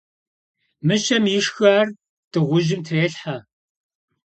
Мыщэм ишхар дыгъужьым трелхьэ.